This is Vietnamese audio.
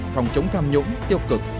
phòng chống tham nhũng tiêu cực